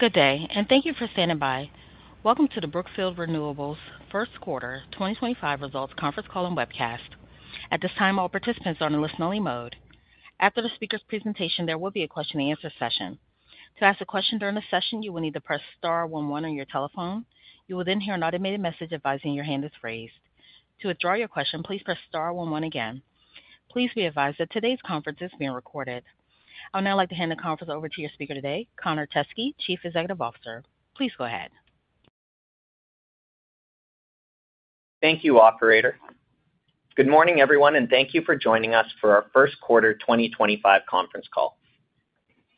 Good day, and thank you for standing by. Welcome to the Brookfield Renewable's first quarter 2025 results conference call and webcast. At this time, all participants are in a listen-only mode. After the speaker's presentation, there will be a question-and-answer session. To ask a question during the session, you will need to press star one one on your telephone. You will then hear an automated message advising your hand is raised. To withdraw your question, please press star one one again. Please be advised that today's conference is being recorded. I would now like to hand the conference over to your speaker today, Connor Teskey, Chief Executive Officer. Please go ahead. Thank you, Operator. Good morning, everyone, and thank you for joining us for our first quarter 2025 conference call.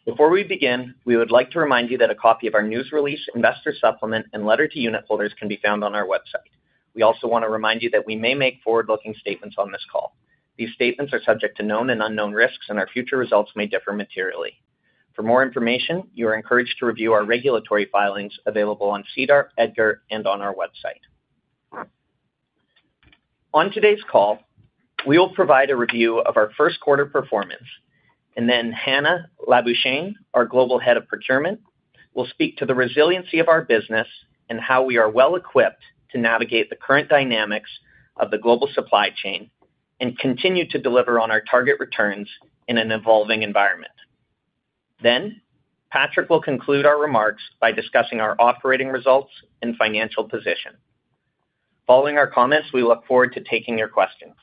Before we begin, we would like to remind you that a copy of our news release, investor supplement, and letter to unit holders can be found on our website. We also want to remind you that we may make forward-looking statements on this call. These statements are subject to known and unknown risks, and our future results may differ materially. For more information, you are encouraged to review our regulatory filings available on CDAR, EDGAR, and on our website. On today's call, we will provide a review of our first quarter performance, and then Hannah Labuschagne, our Global Head of Procurement, will speak to the resiliency of our business and how we are well-equipped to navigate the current dynamics of the global supply chain and continue to deliver on our target returns in an evolving environment. Patrick will conclude our remarks by discussing our operating results and financial position. Following our comments, we look forward to taking your questions.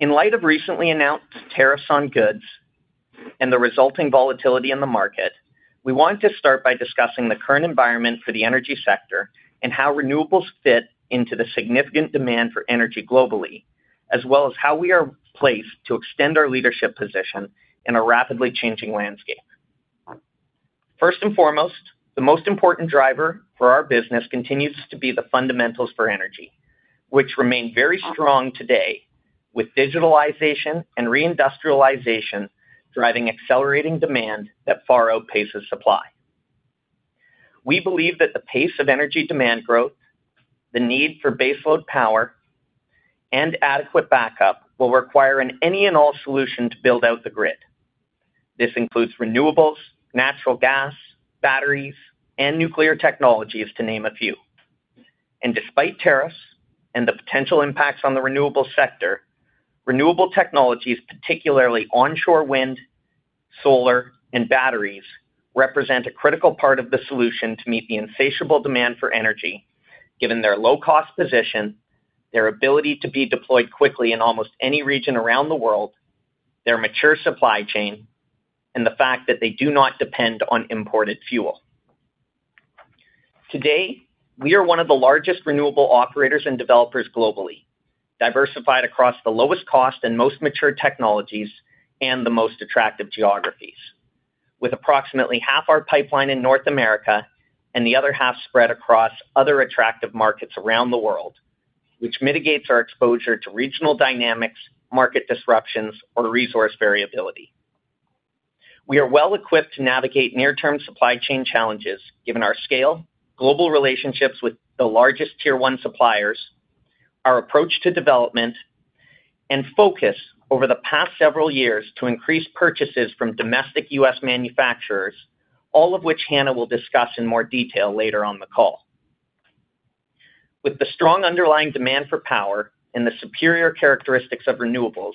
In light of recently announced tariffs on goods and the resulting volatility in the market, we want to start by discussing the current environment for the energy sector and how renewables fit into the significant demand for energy globally, as well as how we are placed to extend our leadership position in a rapidly changing landscape. First and foremost, the most important driver for our business continues to be the fundamentals for energy, which remain very strong today, with digitalization and reindustrialization driving accelerating demand that far outpaces supply. We believe that the pace of energy demand growth, the need for baseload power, and adequate backup will require an any-and-all solution to build out the grid. This includes renewables, natural gas, batteries, and nuclear technologies, to name a few. Despite tariffs and the potential impacts on the renewable sector, renewable technologies, particularly onshore wind, solar, and batteries, represent a critical part of the solution to meet the insatiable demand for energy, given their low-cost position, their ability to be deployed quickly in almost any region around the world, their mature supply chain, and the fact that they do not depend on imported fuel. Today, we are one of the largest renewable operators and developers globally, diversified across the lowest cost and most mature technologies and the most attractive geographies, with approximately half our pipeline in North America and the other half spread across other attractive markets around the world, which mitigates our exposure to regional dynamics, market disruptions, or resource variability. We are well-equipped to navigate near-term supply chain challenges, given our scale, global relationships with the largest tier-one suppliers, our approach to development, and focus over the past several years to increase purchases from domestic U.S. manufacturers, all of which Hannah will discuss in more detail later on the call. With the strong underlying demand for power and the superior characteristics of renewables,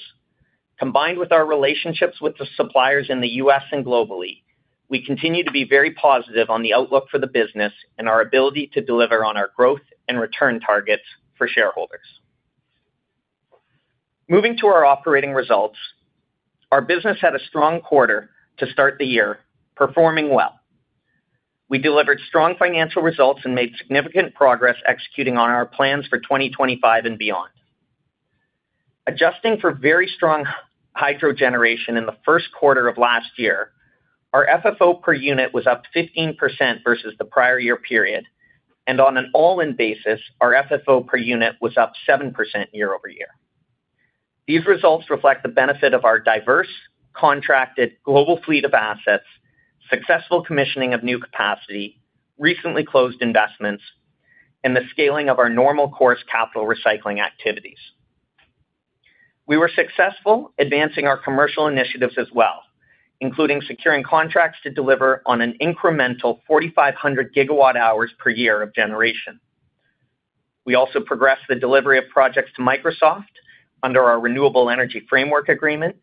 combined with our relationships with the suppliers in the U.S. Globally, we continue to be very positive on the outlook for the business and our ability to deliver on our growth and return targets for shareholders. Moving to our operating results, our business had a strong quarter to start the year, performing well. We delivered strong financial results and made significant progress executing on our plans for 2025 and beyond. Adjusting for very strong hydro generation in the first quarter of last year, our FFO per unit was up 15% versus the prior year period, and on an all-in basis, our FFO per unit was up 7% year over year. These results reflect the benefit of our diverse, contracted, global fleet of assets, successful commissioning of new capacity, recently closed investments, and the scaling of our normal course capital recycling activities. We were successful advancing our commercial initiatives as well, including securing contracts to deliver on an incremental 4,500 GWh per year of generation. We also progressed the delivery of projects to Microsoft under our Renewable Energy Framework Agreement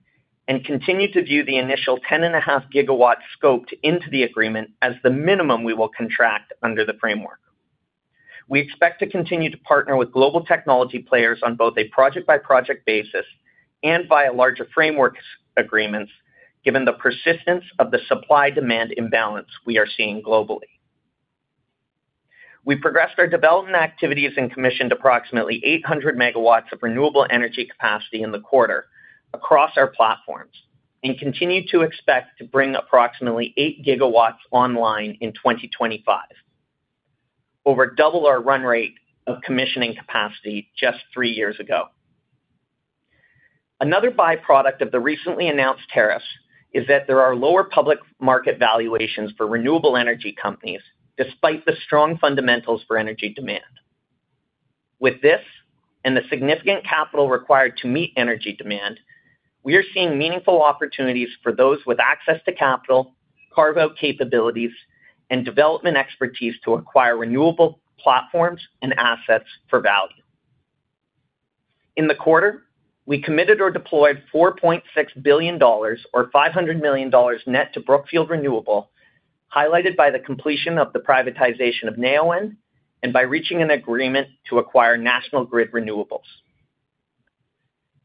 and continue to view the initial 10.5 GW scoped into the agreement as the minimum we will contract under the framework. We expect to continue to partner with global technology players on both a project-by-project basis and via larger frameworks agreements, given the persistence of the supply-demand imbalance we are seeing globally. We progressed our development activities and commissioned approximately 800 MW of renewable energy capacity in the quarter across our platforms and continue to expect to bring approximately 8 GW online in 2025, over double our run rate of commissioning capacity just three years ago. Another byproduct of the recently announced tariffs is that there are lower public market valuations for renewable energy companies, despite the strong fundamentals for energy demand. With this and the significant capital required to meet energy demand, we are seeing meaningful opportunities for those with access to capital, carve-out capabilities, and development expertise to acquire renewable platforms and assets for value. In the quarter, we committed or deployed $4.6 billion, or $500 million net, to Brookfield Renewable, highlighted by the completion of the privatization of Neoen and by reaching an agreement to acquire National Grid Renewables.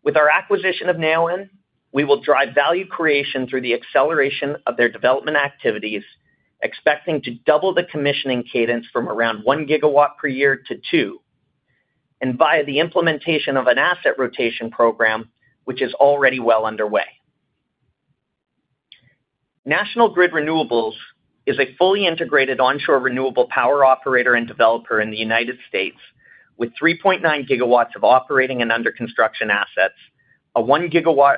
With our acquisition of Neoen, we will drive value creation through the acceleration of their development activities, expecting to double the commissioning cadence from around 1 GW per year to 2 GW, and via the implementation of an asset rotation program, which is already well underway. National Grid Renewables is a fully integrated onshore renewable power operator and developer in the United States, with 3.9 GW of operating and under-construction assets, a 1 GW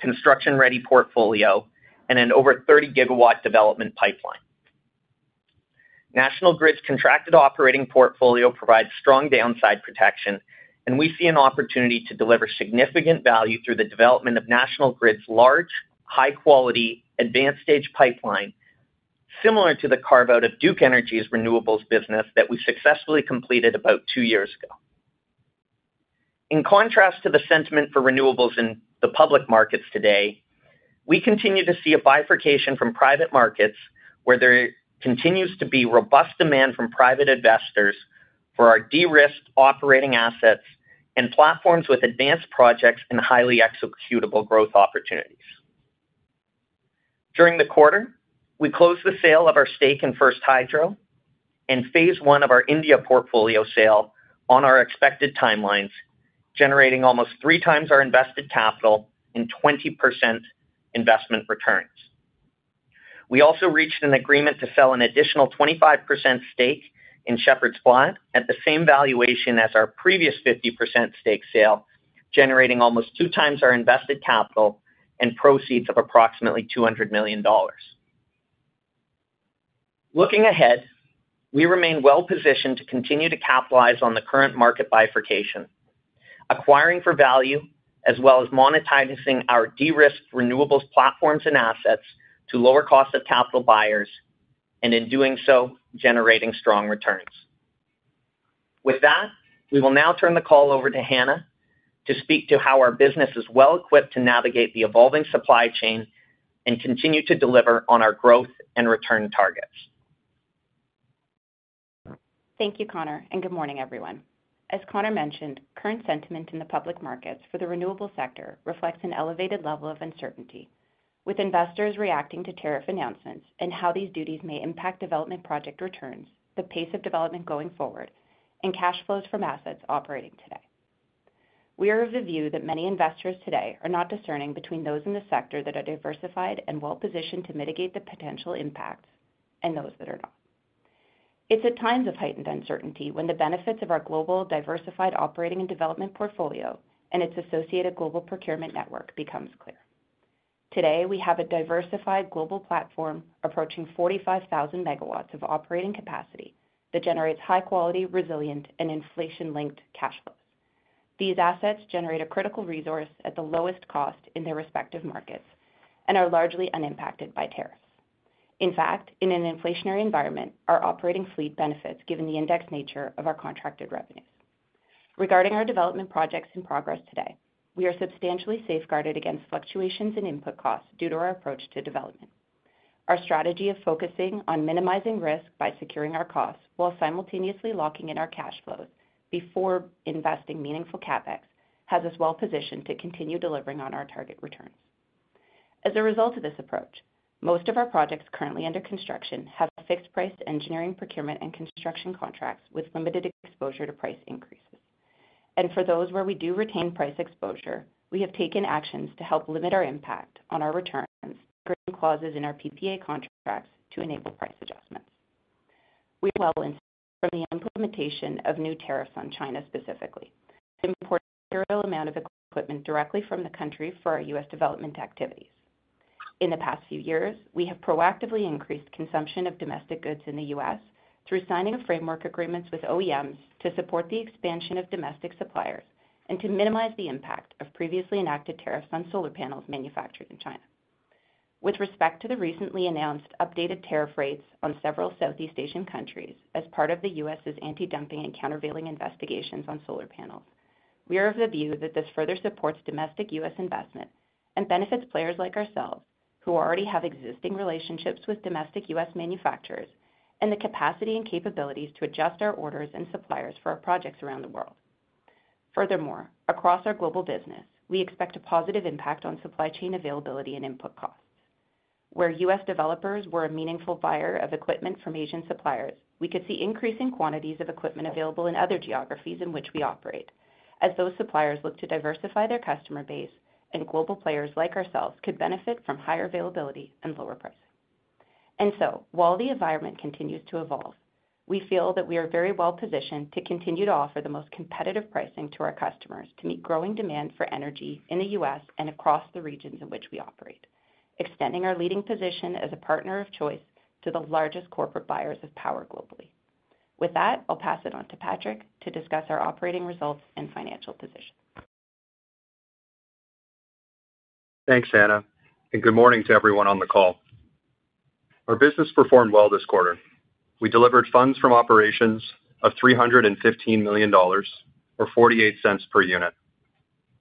construction-ready portfolio, and an over 30 GW development pipeline. National Grid's contracted operating portfolio provides strong downside protection, and we see an opportunity to deliver significant value through the development of National Grid's large, high-quality, advanced-stage pipeline, similar to the carve-out of Duke Energy's renewables business that we successfully completed about two years ago. In contrast to the sentiment for renewables in the public markets today, we continue to see a bifurcation from private markets, where there continues to be robust demand from private investors for our de-risked operating assets and platforms with advanced projects and highly executable growth opportunities. During the quarter, we closed the sale of our stake in First Hydro and phase one of our India portfolio sale on our expected timelines, generating almost three times our invested capital and 20% investment returns. We also reached an agreement to sell an additional 25% stake in Shepherd's Plant at the same valuation as our previous 50% stake sale, generating almost two times our invested capital and proceeds of approximately $200 million. Looking ahead, we remain well-positioned to continue to capitalize on the current market bifurcation, acquiring for value, as well as monetizing our de-risked renewables platforms and assets to lower cost of capital buyers, and in doing so, generating strong returns. With that, we will now turn the call over to Hannah to speak to how our business is well-equipped to navigate the evolving supply chain and continue to deliver on our growth and return targets. Thank you, Connor, and good morning, everyone. As Connor mentioned, current sentiment in the public markets for the renewable sector reflects an elevated level of uncertainty, with investors reacting to tariff announcements and how these duties may impact development project returns, the pace of development going forward, and cash flows from assets operating today. We are of the view that many investors today are not discerning between those in the sector that are diversified and well-positioned to mitigate the potential impacts and those that are not. It is at times of heightened uncertainty when the benefits of our global diversified operating and development portfolio and its associated global procurement network become clear. Today, we have a diversified global platform approaching 45,000 MW of operating capacity that generates high-quality, resilient, and inflation-linked cash flows. These assets generate a critical resource at the lowest cost in their respective markets and are largely unimpacted by tariffs. In fact, in an inflationary environment, our operating fleet benefits, given the indexed nature of our contracted revenues. Regarding our development projects in progress today, we are substantially safeguarded against fluctuations in input costs due to our approach to development. Our strategy of focusing on minimizing risk by securing our costs while simultaneously locking in our cash flows before investing meaningful CapEx has us well-positioned to continue delivering on our target returns. As a result of this approach, most of our projects currently under construction have fixed-priced engineering, procurement, and construction contracts with limited exposure to price increases. For those where we do retain price exposure, we have taken actions to help limit our impact on our returns, including clauses in our PPA contracts to enable price adjustments. We are well-positioned from the implementation of new tariffs on China specifically, importing a serial amount of equipment directly from the country for our U.S. development activities. In the past few years, we have proactively increased consumption of domestic goods in the U.S. through signing framework agreements with OEMs to support the expansion of domestic suppliers and to minimize the impact of previously enacted tariffs on solar panels manufactured in China. With respect to the recently announced updated tariff rates on several Southeast Asian countries as part of the U.S.'s anti-dumping and countervailing investigations on solar panels, we are of the view that this further supports domestic U.S. investment and benefits players like ourselves, who already have existing relationships with domestic U.S. manufacturers and the capacity and capabilities to adjust our orders and suppliers for our projects around the world. Furthermore, across our global business, we expect a positive impact on supply chain availability and input costs. Where U.S. developers were a meaningful buyer of equipment from Asian suppliers, we could see increasing quantities of equipment available in other geographies in which we operate, as those suppliers look to diversify their customer base and global players like ourselves could benefit from higher availability and lower pricing. While the environment continues to evolve, we feel that we are very well-positioned to continue to offer the most competitive pricing to our customers to meet growing demand for energy in the U.S. and across the regions in which we operate, extending our leading position as a partner of choice to the largest corporate buyers of power globally. With that, I'll pass it on to Patrick to discuss our operating results and financial position. Thanks, Anna. Good morning to everyone on the call. Our business performed well this quarter. We delivered funds from operations of $315 million, or $0.48 per unit.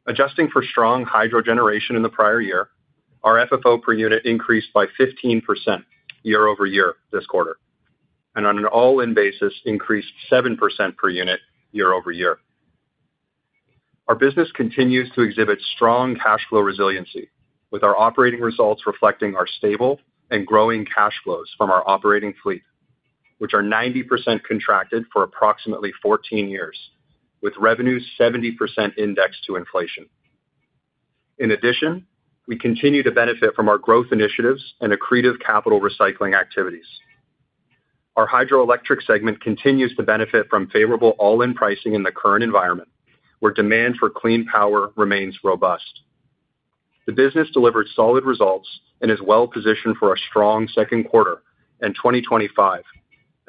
Adjusting for strong hydro generation in the prior year, our FFO per unit increased by 15% year over year this quarter, and on an all-in basis, increased 7% per unit year over year. Our business continues to exhibit strong cash flow resiliency, with our operating results reflecting our stable and growing cash flows from our operating fleet, which are 90% contracted for approximately 14 years, with revenues 70% indexed to inflation. In addition, we continue to benefit from our growth initiatives and accretive capital recycling activities. Our hydroelectric segment continues to benefit from favorable all-in pricing in the current environment, where demand for clean power remains robust. The business delivered solid results and is well-positioned for a strong second quarter in 2025,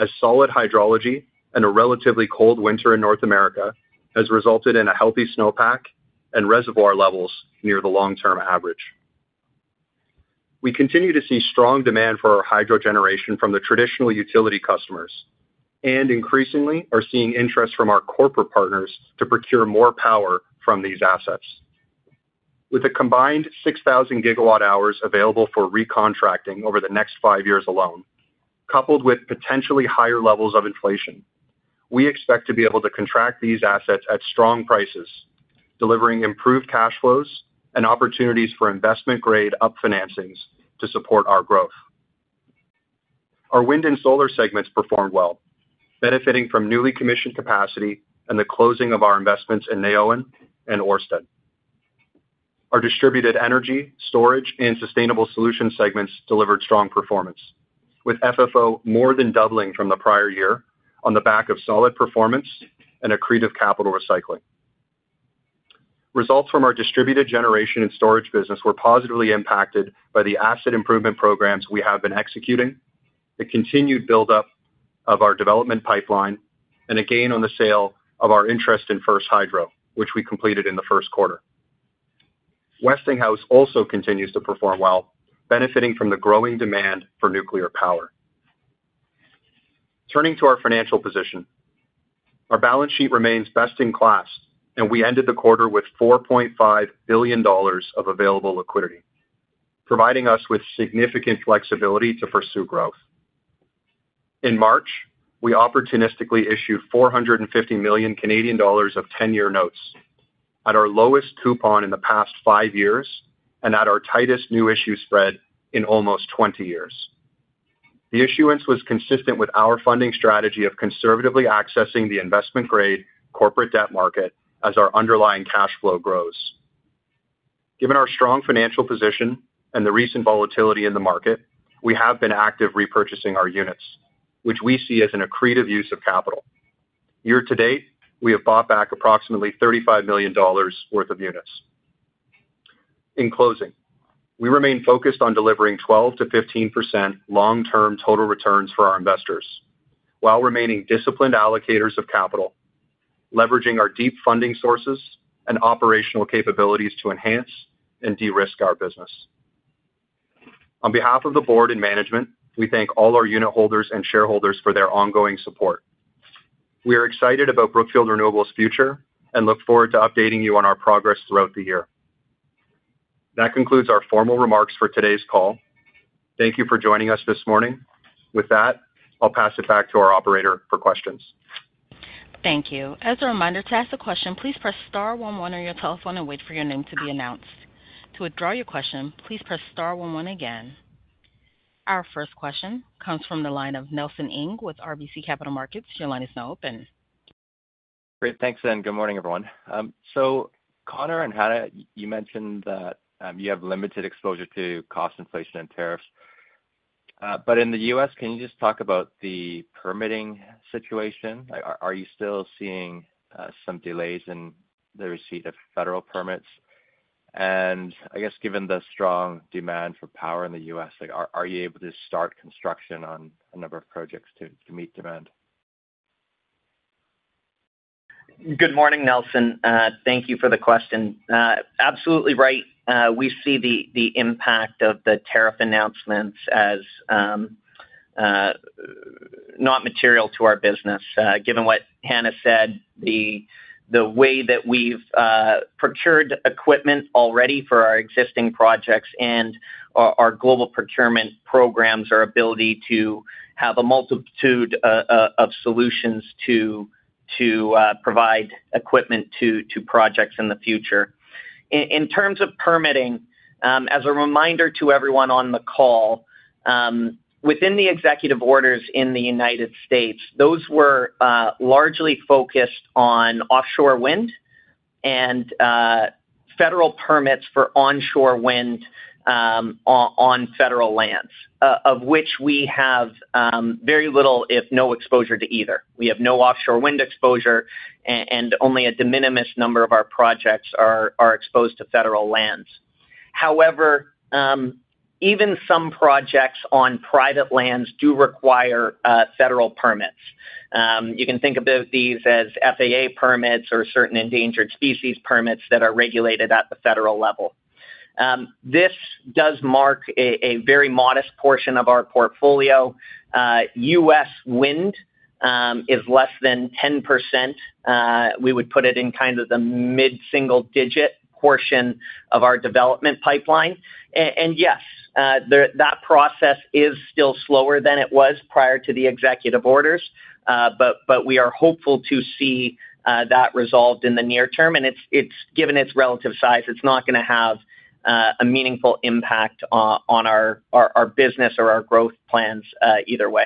as solid hydrology and a relatively cold winter in North America has resulted in a healthy snowpack and reservoir levels near the long-term average. We continue to see strong demand for our hydro generation from the traditional utility customers and, increasingly, are seeing interest from our corporate partners to procure more power from these assets. With a combined 6,000 GWh available for recontracting over the next five years alone, coupled with potentially higher levels of inflation, we expect to be able to contract these assets at strong prices, delivering improved cash flows and opportunities for investment-grade up-financings to support our growth. Our wind and solar segments performed well, benefiting from newly commissioned capacity and the closing of our investments in Neoen and Ørsted. Our distributed energy, storage, and sustainable solution segments delivered strong performance, with FFO more than doubling from the prior year on the back of solid performance and accretive capital recycling. Results from our distributed generation and storage business were positively impacted by the asset improvement programs we have been executing, the continued build-up of our development pipeline, and a gain on the sale of our interest in First Hydro, which we completed in the first quarter. Westinghouse also continues to perform well, benefiting from the growing demand for nuclear power. Turning to our financial position, our balance sheet remains best in class, and we ended the quarter with $4.5 billion of available liquidity, providing us with significant flexibility to pursue growth. In March, we opportunistically issued 450 million Canadian dollars of 10-year notes at our lowest coupon in the past five years and at our tightest new issue spread in almost 20 years. The issuance was consistent with our funding strategy of conservatively accessing the investment-grade corporate debt market as our underlying cash flow grows. Given our strong financial position and the recent volatility in the market, we have been active repurchasing our units, which we see as an accretive use of capital. Year to date, we have bought back approximately $35 million worth of units. In closing, we remain focused on delivering 12-15% long-term total returns for our investors while remaining disciplined allocators of capital, leveraging our deep funding sources and operational capabilities to enhance and de-risk our business. On behalf of the board and management, we thank all our unit holders and shareholders for their ongoing support. We are excited about Brookfield Renewable's future and look forward to updating you on our progress throughout the year. That concludes our formal remarks for today's call. Thank you for joining us this morning. With that, I'll pass it back to our operator for questions. Thank you. As a reminder to ask a question, please press star one one on your telephone and wait for your name to be announced. To withdraw your question, please press star one one again. Our first question comes from the line of Nelson Ng with RBC Capital Markets. Your line is now open. Great. Thanks, and good morning, everyone. Connor and Hannah, you mentioned that you have limited exposure to cost inflation and tariffs. In the U.S., can you just talk about the permitting situation? Are you still seeing some delays in the receipt of federal permits? I guess, given the strong demand for power in the U.S., are you able to start construction on a number of projects to meet demand? Good morning, Nelson. Thank you for the question. Absolutely right. We see the impact of the tariff announcements as not material to our business. Given what Hannah said, the way that we've procured equipment already for our existing projects and our global procurement programs, our ability to have a multitude of solutions to provide equipment to projects in the future. In terms of permitting, as a reminder to everyone on the call, within the executive orders in the United States, those were largely focused on offshore wind and federal permits for onshore wind on federal lands, of which we have very little, if no exposure to either. We have no offshore wind exposure, and only a de minimis number of our projects are exposed to federal lands. However, even some projects on private lands do require federal permits. You can think of these as FAA permits or certain endangered species permits that are regulated at the federal level. This does mark a very modest portion of our portfolio. U.S. wind is less than 10%. We would put it in kind of the mid-single-digit portion of our development pipeline. Yes, that process is still slower than it was prior to the executive orders, but we are hopeful to see that resolved in the near term. Given its relative size, it is not going to have a meaningful impact on our business or our growth plans either way.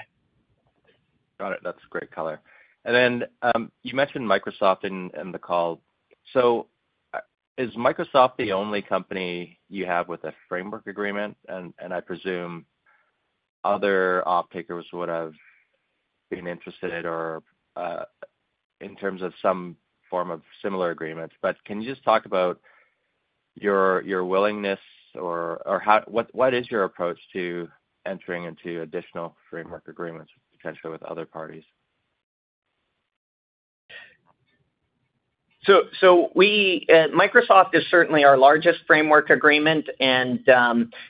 Got it. That's great, Connor. You mentioned Microsoft in the call. Is Microsoft the only company you have with a framework agreement? I presume other off-takers would have been interested in terms of some form of similar agreements. Can you just talk about your willingness, or what is your approach to entering into additional framework agreements, potentially with other parties? Microsoft is certainly our largest framework agreement, and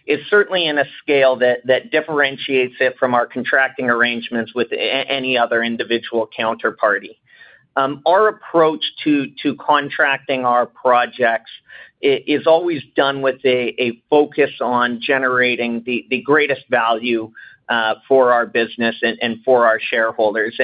it's certainly in a scale that differentiates it from our contracting arrangements with any other individual counterparty. Our approach to contracting our projects is always done with a focus on generating the greatest value for our business and for our shareholders.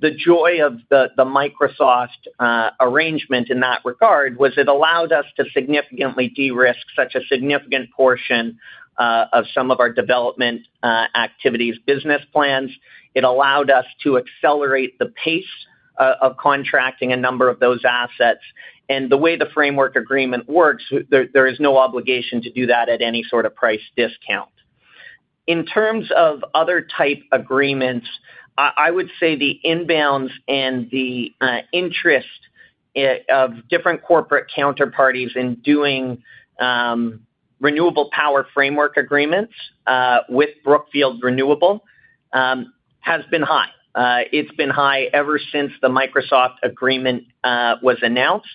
The joy of the Microsoft arrangement in that regard was it allowed us to significantly de-risk such a significant portion of some of our development activities, business plans. It allowed us to accelerate the pace of contracting a number of those assets. The way the framework agreement works, there is no obligation to do that at any sort of price discount. In terms of other type agreements, I would say the inbounds and the interest of different corporate counterparties in doing renewable power framework agreements with Brookfield Renewable has been high. has been high ever since the Microsoft agreement was announced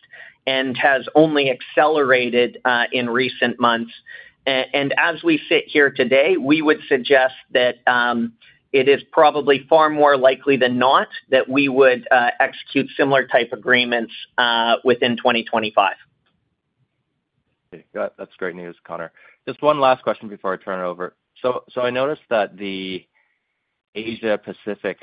and has only accelerated in recent months. As we sit here today, we would suggest that it is probably far more likely than not that we would execute similar type agreements within 2025. That's great news, Connor. Just one last question before I turn it over. I noticed that the Asia-Pacific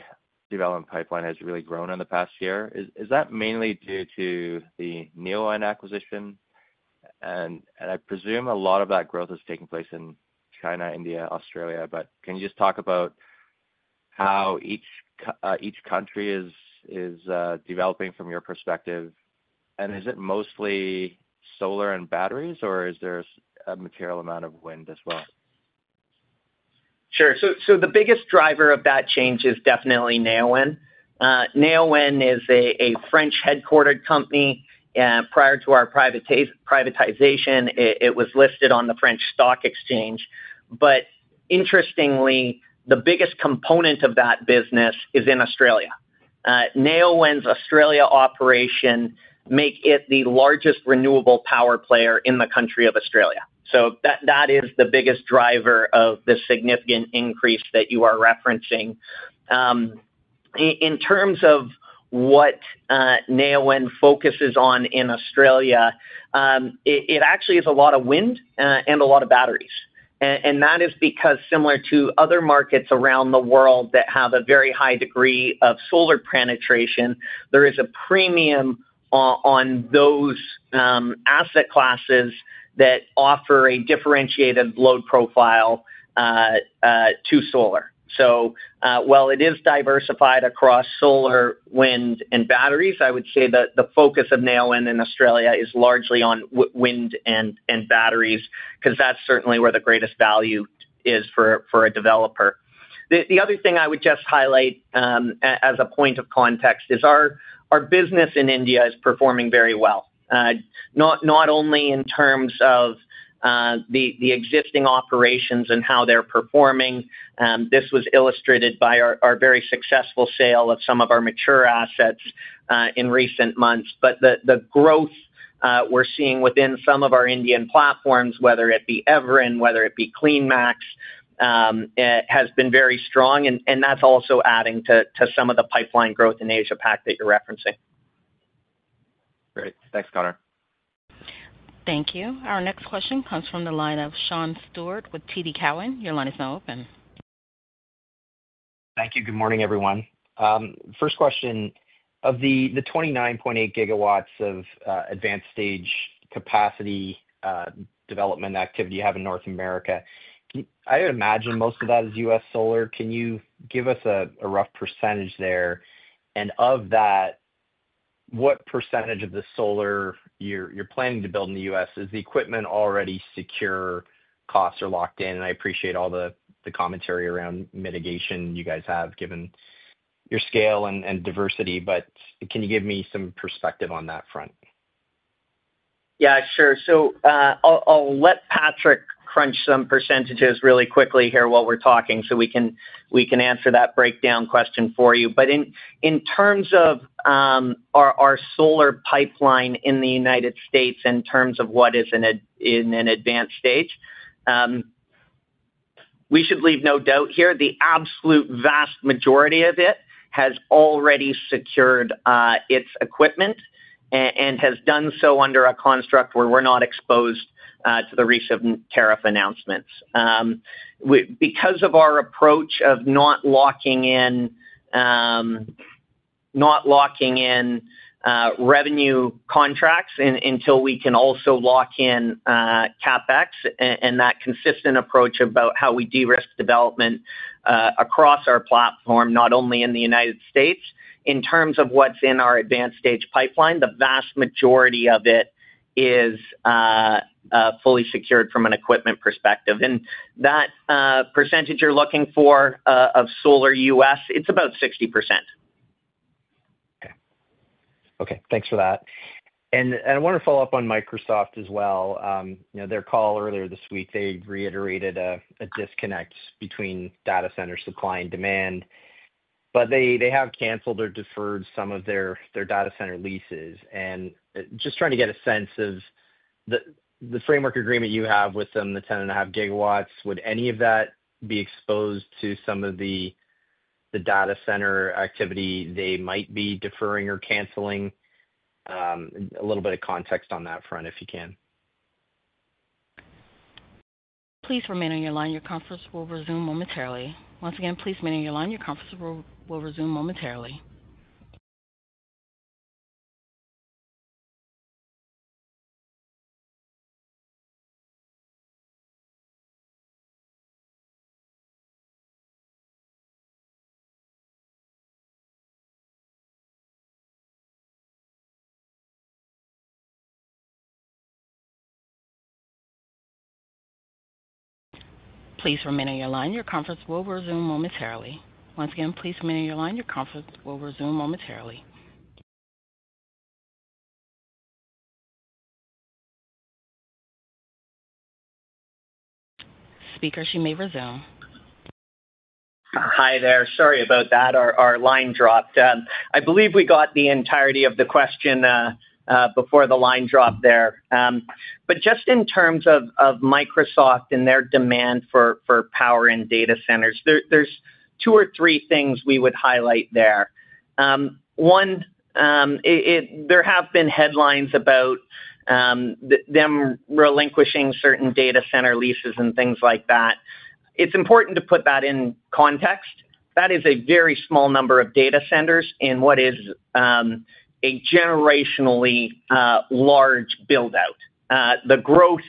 development pipeline has really grown in the past year. Is that mainly due to the Neoen acquisition? I presume a lot of that growth is taking place in China, India, Australia. Can you just talk about how each country is developing from your perspective? Is it mostly solar and batteries, or is there a material amount of wind as well? Sure. The biggest driver of that change is definitely Neoen. Neoen is a French-headquartered company. Prior to our privatization, it was listed on the French stock exchange. Interestingly, the biggest component of that business is in Australia. Neoen's Australia operation makes it the largest renewable power player in the country of Australia. That is the biggest driver of the significant increase that you are referencing. In terms of what Neoen focuses on in Australia, it actually is a lot of wind and a lot of batteries. That is because, similar to other markets around the world that have a very high degree of solar penetration, there is a premium on those asset classes that offer a differentiated load profile to solar. While it is diversified across solar, wind, and batteries, I would say that the focus of Neoen in Australia is largely on wind and batteries because that is certainly where the greatest value is for a developer. The other thing I would just highlight as a point of context is our business in India is performing very well, not only in terms of the existing operations and how they are performing. This was illustrated by our very successful sale of some of our mature assets in recent months. The growth we are seeing within some of our Indian platforms, whether it be Everyn, whether it be CleanMax, has been very strong. That is also adding to some of the pipeline growth in Asia-Pac that you are referencing. Great. Thanks, Connor. Thank you. Our next question comes from the line of Sean Stewart with TD Cowen. Your line is now open. Thank you. Good morning, everyone. First question. Of the 29.8 GW of advanced-stage capacity development activity you have in North America, I would imagine most of that is U.S. solar. Can you give us a rough percentage there? Of that, what percentage of the solar you're planning to build in the U.S.? Is the equipment already secure? Costs are locked in? I appreciate all the commentary around mitigation you guys have, given your scale and diversity. Can you give me some perspective on that front? Yeah, sure. I'll let Patrick crunch some percentages really quickly here while we're talking so we can answer that breakdown question for you. In terms of our solar pipeline in the U.S., in terms of what is in an advanced stage, we should leave no doubt here. The absolute vast majority of it has already secured its equipment and has done so under a construct where we're not exposed to the recent tariff announcements. Because of our approach of not locking in revenue contracts until we can also lock in CapEx and that consistent approach about how we de-risk development across our platform, not only in the U.S., in terms of what's in our advanced-stage pipeline, the vast majority of it is fully secured from an equipment perspective. That percentage you're looking for of solar U.S., it's about 60%. Okay. Okay. Thanks for that. I want to follow up on Microsoft as well. Their call earlier this week, they reiterated a disconnect between data center supply and demand. They have canceled or deferred some of their data center leases. I am just trying to get a sense of the framework agreement you have with them, the 10.5 GW, would any of that be exposed to some of the data center activity they might be deferring or canceling? A little bit of context on that front, if you can. Please remain on your line. Your conference will resume momentarily. Once again, please remain on your line. Your conference will resume momentarily. Please remain on your line. Your conference will resume momentarily. Once again, please remain on your line. Your conference will resume momentarily. Speaker, she may resume. Hi there. Sorry about that. Our line dropped. I believe we got the entirety of the question before the line dropped there. Just in terms of Microsoft and their demand for power in data centers, there are two or three things we would highlight there. One, there have been headlines about them relinquishing certain data center leases and things like that. It is important to put that in context. That is a very small number of data centers in what is a generationally large buildout. The growth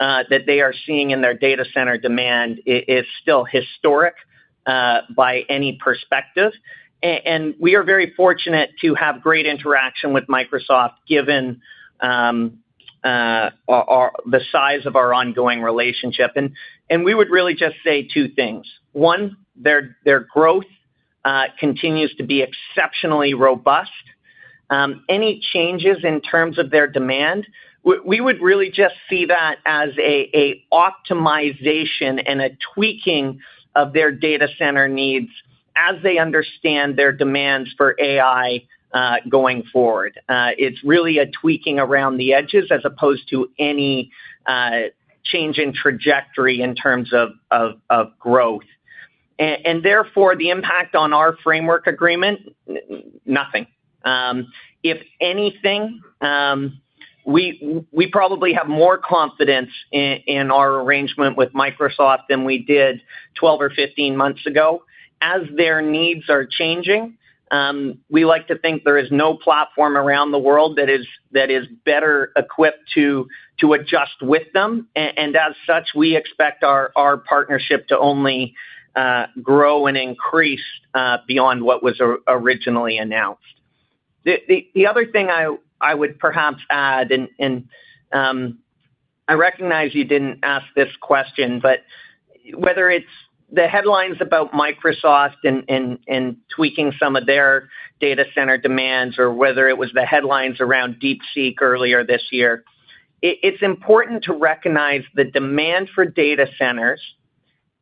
that they are seeing in their data center demand is still historic by any perspective. We are very fortunate to have great interaction with Microsoft, given the size of our ongoing relationship. We would really just say two things. One, their growth continues to be exceptionally robust. Any changes in terms of their demand, we would really just see that as an optimization and a tweaking of their data center needs as they understand their demands for AI going forward. It is really a tweaking around the edges as opposed to any change in trajectory in terms of growth. Therefore, the impact on our framework agreement, nothing. If anything, we probably have more confidence in our arrangement with Microsoft than we did 12 or 15 months ago. As their needs are changing, we like to think there is no platform around the world that is better equipped to adjust with them. As such, we expect our partnership to only grow and increase beyond what was originally announced. The other thing I would perhaps add, and I recognize you did not ask this question, whether it is the headlines about Microsoft and tweaking some of their data center demands, or whether it was the headlines around DeepSeek earlier this year, it is important to recognize the demand for data centers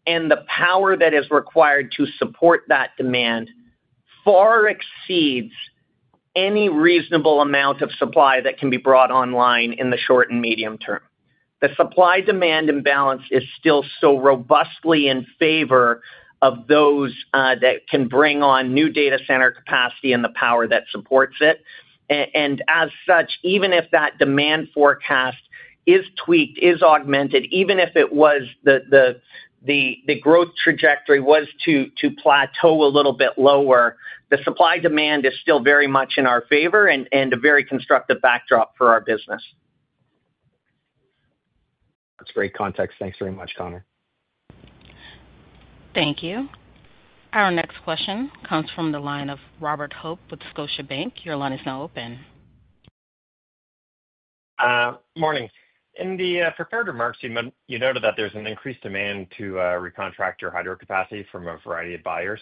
and the power that is required to support that demand far exceeds any reasonable amount of supply that can be brought online in the short and medium term. The supply-demand imbalance is still so robustly in favor of those that can bring on new data center capacity and the power that supports it. As such, even if that demand forecast is tweaked, is augmented, even if the growth trajectory was to plateau a little bit lower, the supply-demand is still very much in our favor and a very constructive backdrop for our business. That's great context. Thanks very much, Connor. Thank you. Our next question comes from the line of Robert Hope with Scotiabank. Your line is now open. Good morning. In the prepared remarks, you noted that there's an increased demand to recontract your hydro capacity from a variety of buyers.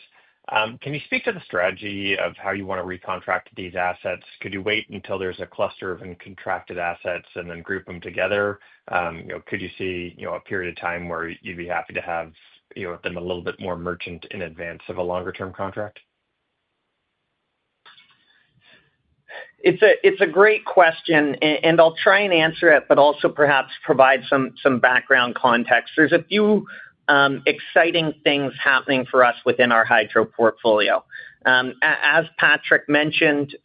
Can you speak to the strategy of how you want to recontract these assets? Could you wait until there's a cluster of uncontracted assets and then group them together? Could you see a period of time where you'd be happy to have them a little bit more merchant in advance of a longer-term contract? It's a great question, and I'll try and answer it, but also perhaps provide some background context. There's a few exciting things happening for us within our hydro portfolio. As Patrick mentioned,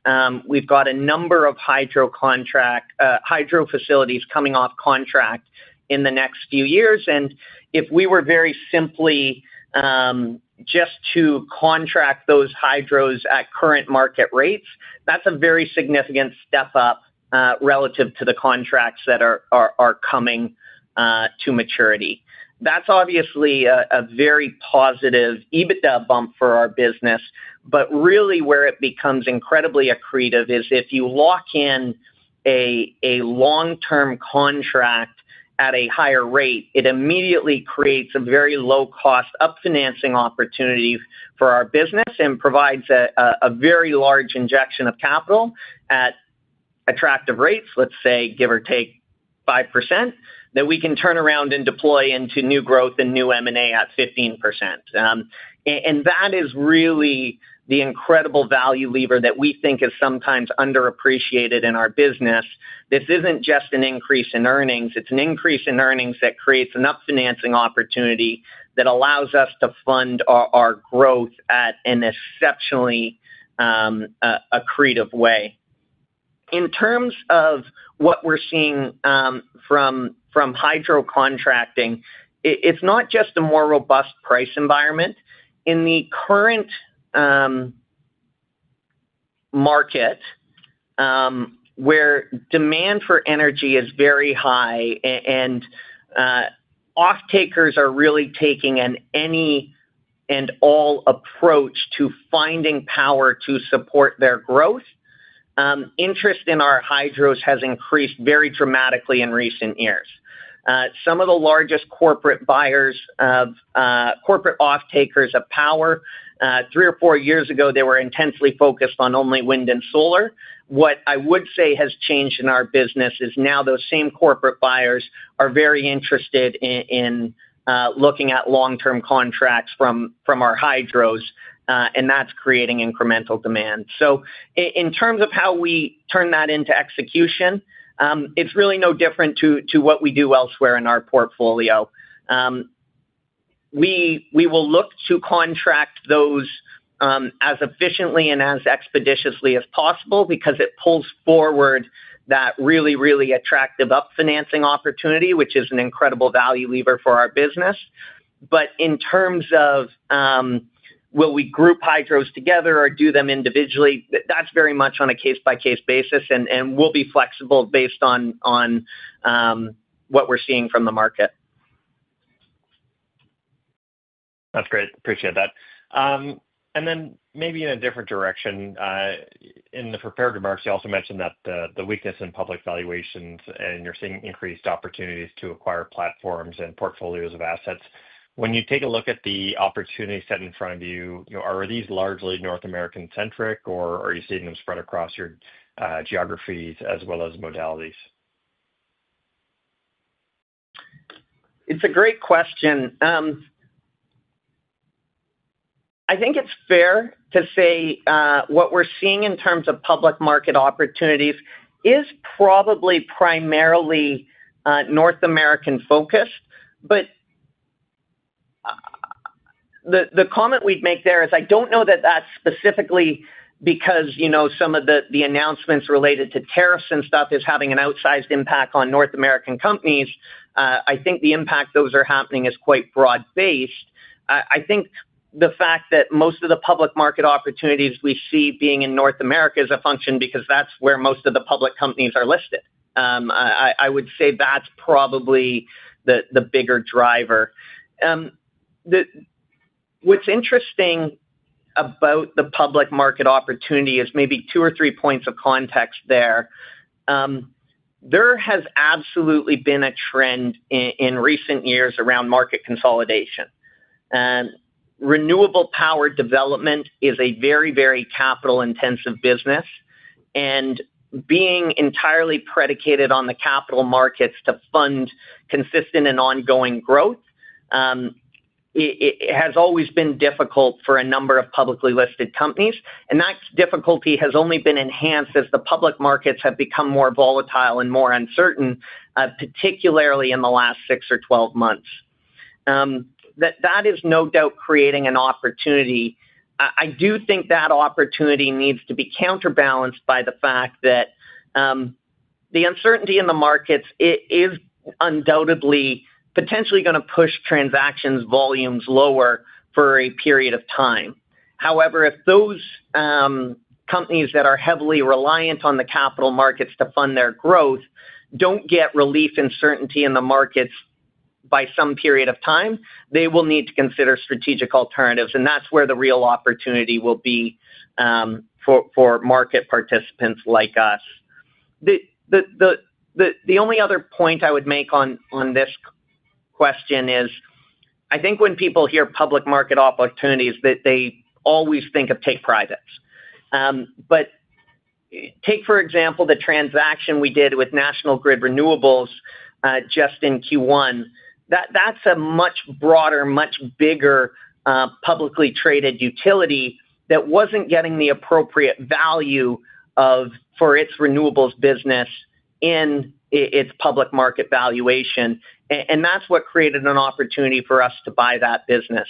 we've got a number of hydro facilities coming off contract in the next few years. If we were very simply just to contract those hydros at current market rates, that's a very significant step up relative to the contracts that are coming to maturity. That's obviously a very positive EBITDA bump for our business. Really, where it becomes incredibly accretive is if you lock in a long-term contract at a higher rate, it immediately creates a very low-cost upfinancing opportunity for our business and provides a very large injection of capital at attractive rates, let's say, give or take 5%, that we can turn around and deploy into new growth and new M&A at 15%. That is really the incredible value lever that we think is sometimes underappreciated in our business. This isn't just an increase in earnings. It's an increase in earnings that creates an upfinancing opportunity that allows us to fund our growth in an exceptionally accretive way. In terms of what we're seeing from hydro contracting, it's not just a more robust price environment. In the current market, where demand for energy is very high and off-takers are really taking an any and all approach to finding power to support their growth, interest in our hydros has increased very dramatically in recent years. Some of the largest corporate off-takers of power, three or four years ago, they were intensely focused on only wind and solar. What I would say has changed in our business is now those same corporate buyers are very interested in looking at long-term contracts from our hydros, and that is creating incremental demand. In terms of how we turn that into execution, it is really no different to what we do elsewhere in our portfolio. We will look to contract those as efficiently and as expeditiously as possible because it pulls forward that really, really attractive upfinancing opportunity, which is an incredible value lever for our business. In terms of will we group hydros together or do them individually, that is very much on a case-by-case basis, and we will be flexible based on what we are seeing from the market. That's great. Appreciate that. Maybe in a different direction, in the prepared remarks, you also mentioned the weakness in public valuations and you're seeing increased opportunities to acquire platforms and portfolios of assets. When you take a look at the opportunity set in front of you, are these largely North American-centric, or are you seeing them spread across your geographies as well as modalities? It's a great question. I think it's fair to say what we're seeing in terms of public market opportunities is probably primarily North American-focused. The comment we'd make there is I don't know that that's specifically because some of the announcements related to tariffs and stuff is having an outsized impact on North American companies. I think the impact those are having is quite broad-based. I think the fact that most of the public market opportunities we see being in North America is a function because that's where most of the public companies are listed. I would say that's probably the bigger driver. What's interesting about the public market opportunity is maybe two or three points of context there. There has absolutely been a trend in recent years around market consolidation. Renewable power development is a very, very capital-intensive business. Being entirely predicated on the capital markets to fund consistent and ongoing growth has always been difficult for a number of publicly listed companies. That difficulty has only been enhanced as the public markets have become more volatile and more uncertain, particularly in the last 6 or 12 months. That is no doubt creating an opportunity. I do think that opportunity needs to be counterbalanced by the fact that the uncertainty in the markets is undoubtedly potentially going to push transaction volumes lower for a period of time. However, if those companies that are heavily reliant on the capital markets to fund their growth do not get relief and certainty in the markets by some period of time, they will need to consider strategic alternatives. That is where the real opportunity will be for market participants like us. The only other point I would make on this question is I think when people hear public market opportunities, they always think of take privates. Take, for example, the transaction we did with National Grid Renewables just in Q1. That is a much broader, much bigger publicly traded utility that was not getting the appropriate value for its renewables business in its public market valuation. That is what created an opportunity for us to buy that business.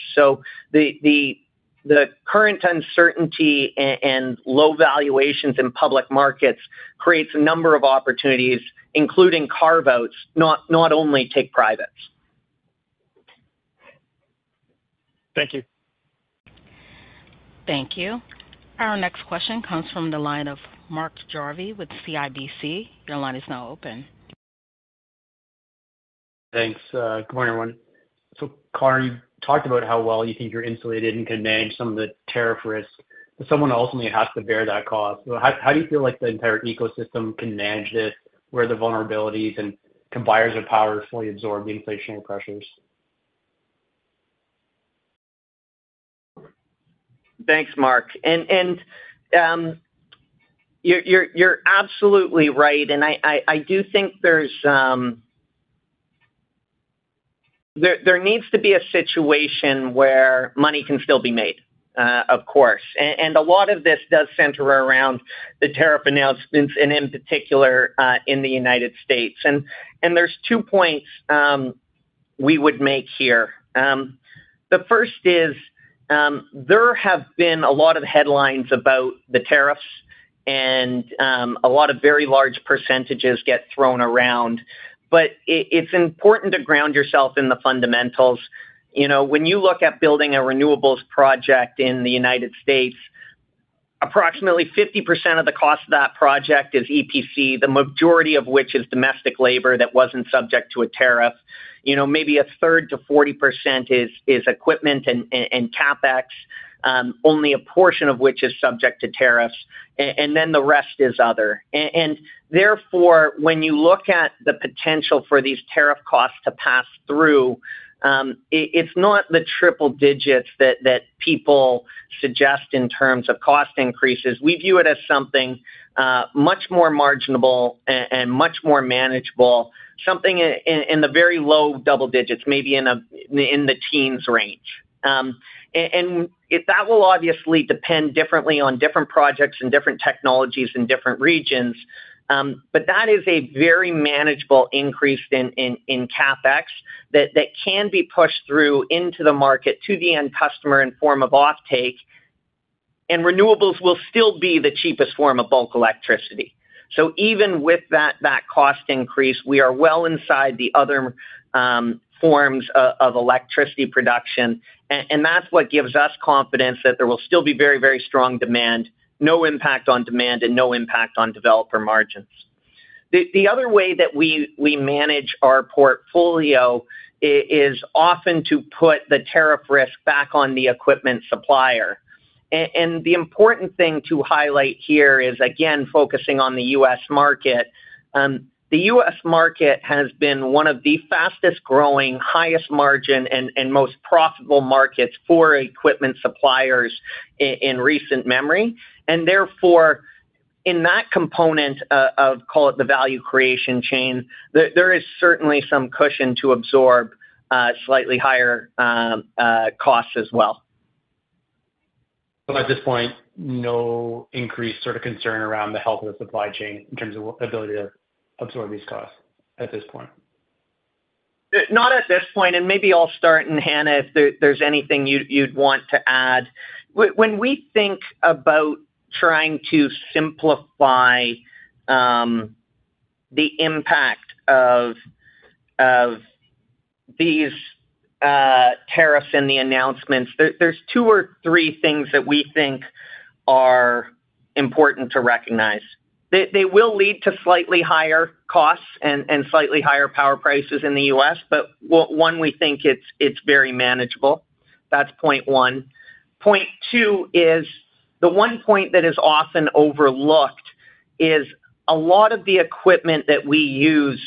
The current uncertainty and low valuations in public markets creates a number of opportunities, including carve-outs, not only take privates. Thank you. Thank you. Our next question comes from the line of Mark Jarvi with CIBC. Your line is now open. Thanks. Good morning, everyone. Connor, you talked about how well you think you're insulated and can manage some of the tariff risk. Someone ultimately has to bear that cost. How do you feel like the entire ecosystem can manage this? Where are the vulnerabilities? Can buyers or power fully absorb the inflationary pressures? Thanks, Mark. You're absolutely right. I do think there needs to be a situation where money can still be made, of course. A lot of this does center around the tariff announcements, in particular, in the United States. There are two points we would make here. The first is there have been a lot of headlines about the tariffs, and a lot of very large percentages get thrown around. It's important to ground yourself in the fundamentals. When you look at building a renewables project in the United States, approximately 50% of the cost of that project is EPC, the majority of which is domestic labor that wasn't subject to a tariff. Maybe a third to 40% is equipment and CapEx, only a portion of which is subject to tariffs. The rest is other. Therefore, when you look at the potential for these tariff costs to pass through, it is not the triple digits that people suggest in terms of cost increases. We view it as something much more marginable and much more manageable, something in the very low double digits, maybe in the teens range. That will obviously depend differently on different projects and different technologies in different regions. That is a very manageable increase in CapEx that can be pushed through into the market to the end customer in form of offtake. Renewables will still be the cheapest form of bulk electricity. Even with that cost increase, we are well inside the other forms of electricity production. That is what gives us confidence that there will still be very, very strong demand, no impact on demand, and no impact on developer margins. The other way that we manage our portfolio is often to put the tariff risk back on the equipment supplier. The important thing to highlight here is, again, focusing on the U.S. market. The U.S. market has been one of the fastest growing, highest margin, and most profitable markets for equipment suppliers in recent memory. Therefore, in that component of, call it the value creation chain, there is certainly some cushion to absorb slightly higher costs as well. At this point, no increased sort of concern around the health of the supply chain in terms of ability to absorb these costs at this point? Not at this point. Maybe I'll start, and Hannah, if there's anything you'd want to add. When we think about trying to simplify the impact of these tariffs and the announcements, there are two or three things that we think are important to recognize. They will lead to slightly higher costs and slightly higher power prices in the US, but one, we think it's very manageable. That's point one. Point two is the one point that is often overlooked is a lot of the equipment that we use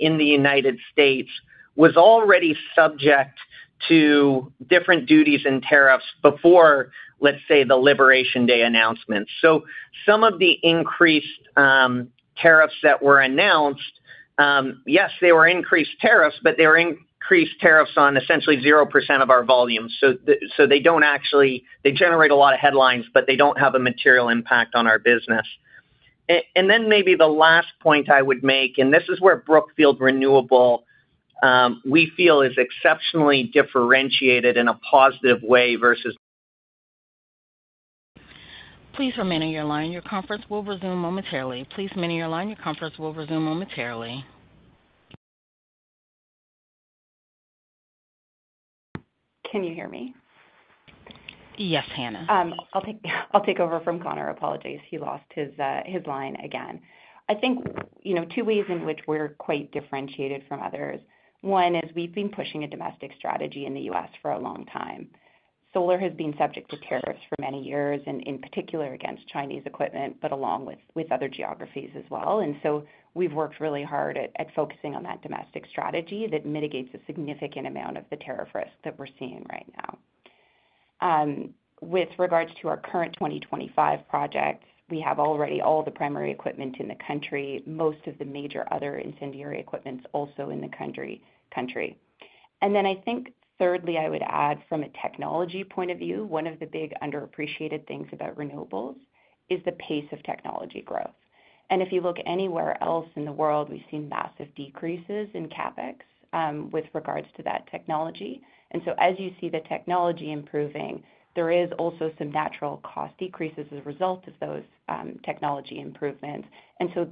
in the United States was already subject to different duties and tariffs before, let's say, the Liberation Day announcements. Some of the increased tariffs that were announced, yes, they were increased tariffs, but they were increased tariffs on essentially 0% of our volume. They do not actually generate a lot of headlines, but they do not have a material impact on our business. Maybe the last point I would make, and this is where Brookfield Renewable, we feel, is exceptionally differentiated in a positive way versus. Please remain on your line. Your conference will resume momentarily. Please remain on your line. Your conference will resume momentarily. Can you hear me? Yes, Hannah. I'll take over from Connor. Apologies. He lost his line again. I think two ways in which we're quite differentiated from others. One is we've been pushing a domestic strategy in the U.S. for a long time. Solar has been subject to tariffs for many years, and in particular against Chinese equipment, but along with other geographies as well. We've worked really hard at focusing on that domestic strategy that mitigates a significant amount of the tariff risk that we're seeing right now. With regards to our current 2025 project, we have already all the primary equipment in the country, most of the major other incendiary equipment also in the country. I think thirdly, I would add from a technology point of view, one of the big underappreciated things about renewables is the pace of technology growth. If you look anywhere else in the world, we've seen massive decreases in CapEx with regards to that technology. As you see the technology improving, there is also some natural cost decreases as a result of those technology improvements.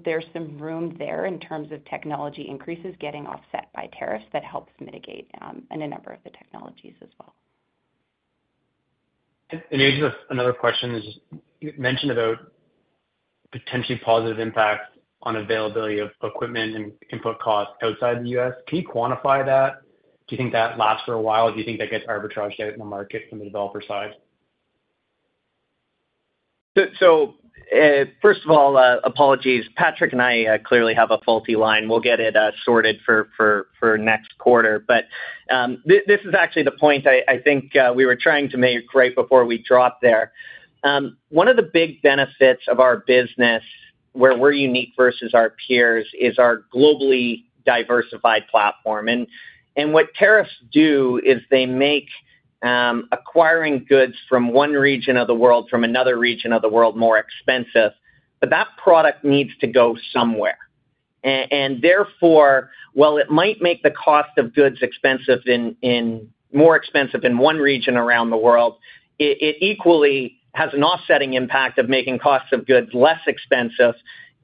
There is some room there in terms of technology increases getting offset by tariffs that helps mitigate in a number of the technologies as well. Here's another question. You mentioned about potentially positive impact on availability of equipment and input costs outside the U.S. Can you quantify that? Do you think that lasts for a while? Do you think that gets arbitraged out in the market from the developer side? First of all, apologies. Patrick and I clearly have a faulty line. We'll get it sorted for next quarter. This is actually the point I think we were trying to make right before we dropped there. One of the big benefits of our business, where we're unique versus our peers, is our globally diversified platform. What tariffs do is they make acquiring goods from one region of the world, from another region of the world, more expensive. That product needs to go somewhere. Therefore, while it might make the cost of goods more expensive in one region around the world, it equally has an offsetting impact of making costs of goods less expensive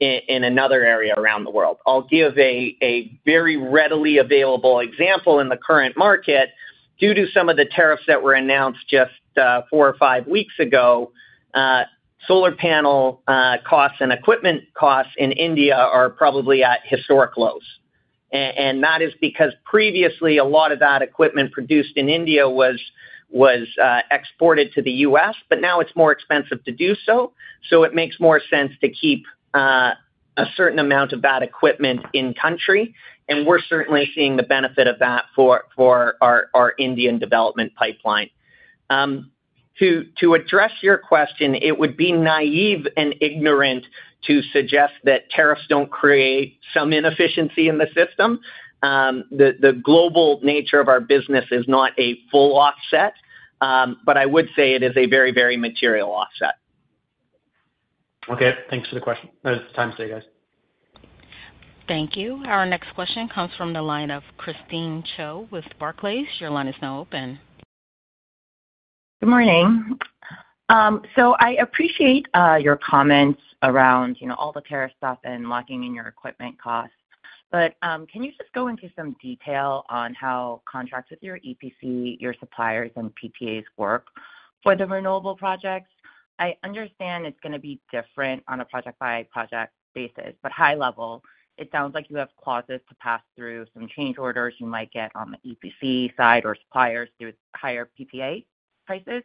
in another area around the world. I'll give a very readily available example in the current market. Due to some of the tariffs that were announced just four or five weeks ago, solar panel costs and equipment costs in India are probably at historic lows. That is because previously, a lot of that equipment produced in India was exported to the US, but now it is more expensive to do so. It makes more sense to keep a certain amount of that equipment in-country. We are certainly seeing the benefit of that for our Indian development pipeline. To address your question, it would be naive and ignorant to suggest that tariffs do not create some inefficiency in the system. The global nature of our business is not a full offset, but I would say it is a very, very material offset. Okay. Thanks for the question. That was the time today, guys. Thank you. Our next question comes from the line of Christine Cho with Barclays. Your line is now open. Good morning. I appreciate your comments around all the tariff stuff and locking in your equipment costs. Can you just go into some detail on how contracts with your EPC, your suppliers, and PPAs work for the renewable projects? I understand it's going to be different on a project-by-project basis. At a high level, it sounds like you have clauses to pass through some change orders you might get on the EPC side or suppliers to higher PPA prices.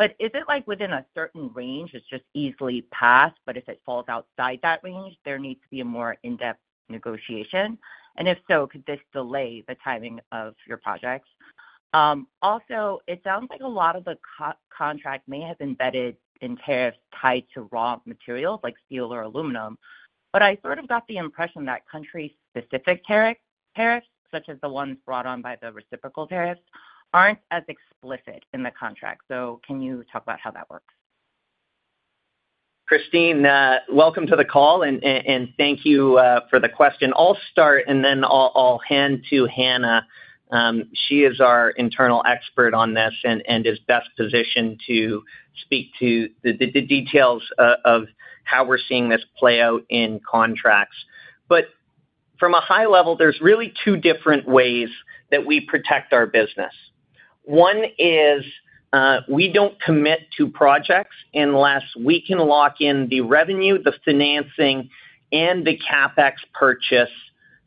Is it within a certain range? It's just easily passed, but if it falls outside that range, there needs to be a more in-depth negotiation. If so, could this delay the timing of your projects? Also, it sounds like a lot of the contract may have embedded in tariffs tied to raw materials like steel or aluminum. I sort of got the impression that country-specific tariffs, such as the ones brought on by the reciprocal tariffs, are not as explicit in the contract. Can you talk about how that works? Christine, welcome to the call, and thank you for the question. I'll start, and then I'll hand to Hannah. She is our internal expert on this and is best positioned to speak to the details of how we're seeing this play out in contracts. From a high level, there's really two different ways that we protect our business. One is we don't commit to projects unless we can lock in the revenue, the financing, and the CapEx purchase